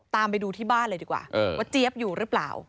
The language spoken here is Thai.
ตามไปดูที่บ้านเลยดีกว่าว่าเจี๊ยบอยู่หรือเปล่า